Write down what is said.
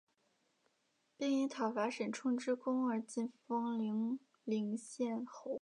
并以讨伐沈充之功而进封零陵县侯。